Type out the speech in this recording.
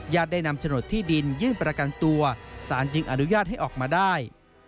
ได้นำโฉนดที่ดินยื่นประกันตัวสารจึงอนุญาตให้ออกมาได้